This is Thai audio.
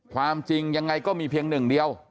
ความจริงยังไงก็มีเพียงหนึ่งเดียว